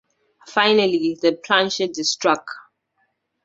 Finally, the planchet is struck.